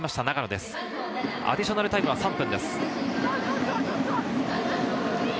アディショナルタイムは３分です。